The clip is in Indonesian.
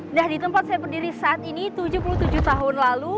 nah di tempat saya berdiri saat ini tujuh puluh tujuh tahun lalu